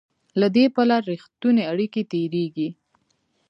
له دې پله رښتونې اړیکې تېرېږي.